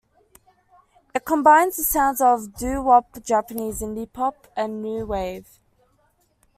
It combines the sounds of doo-wop, Japanese indie pop, and new wave.